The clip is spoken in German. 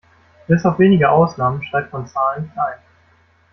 Bis auf wenige Ausnahmen schreibt man Zahlen klein.